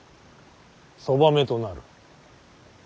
そばめとなる。